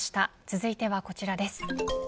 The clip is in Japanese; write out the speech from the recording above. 続いてはこちらです。